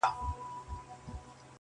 چي یو غم یې سړوم راته بل راسي،